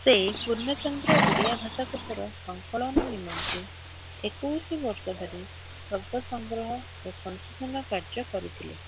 ସେ ପୂର୍ଣ୍ଣଚନ୍ଦ୍ର ଓଡ଼ିଆ ଭାଷାକୋଷର ସଂକଳନ ନିମନ୍ତେ ଏକୋଇଶି ବର୍ଷ ଧରି ଶବ୍ଦ ସଂଗ୍ରହ ଓ ସଂଶୋଧନ କାର୍ଯ୍ୟ କରିଥିଲେ ।